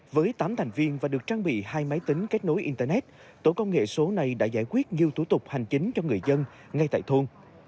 với tám thành viên và được trang bị hai máy tính kết nối internet tổ công nghệ số này đã giải quyết nhiều thủ tục hành chính cho người dân ngay tại thôn